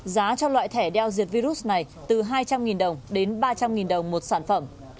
giá cho loại thẻ đeo diệt virus này từ hai trăm linh đồng đến ba trăm linh đồng một sản phẩm